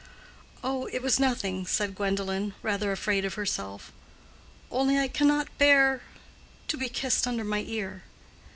"Oh, it was nothing," said Gwendolen, rather afraid of herself, "only I cannot bear—to be kissed under my ear."